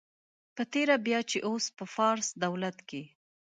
په تېره بیا چې اوس په فارس دولت کې.